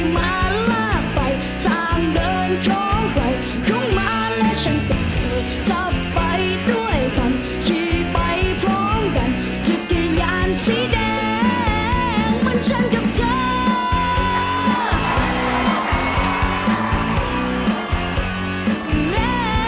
มันจะกินอย่างที่เองไม่มี